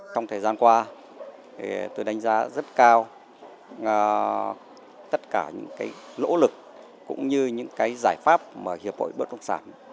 trong thời gian qua tôi đánh giá rất cao tất cả những nỗ lực cũng như những giải pháp mà hiệp hội bất động sản